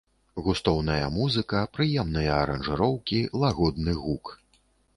Густоўная музыка, прыемныя аранжыроўкі, лагодны гук.